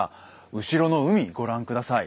後ろの海ご覧下さい。